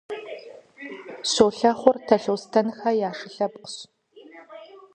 Щолэхъур Талъостэнхэ я шы лъэпкът.